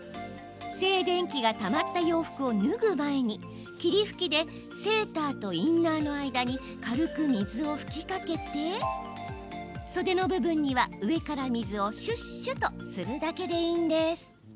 静電気がたまった洋服を脱ぐ前に霧吹きでセーターとインナーの間に軽く水を吹きかけて袖の部分には上から水をしゅっしゅっとするだけでいいんです。